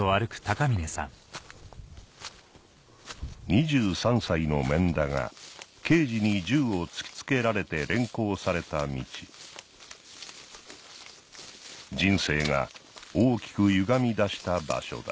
２３歳の免田が刑事に銃を突き付けられて連行された道人生が大きくゆがみだした場所だ